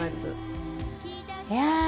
いや。